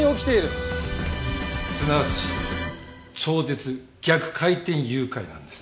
すなわち超絶逆回転誘拐なんです。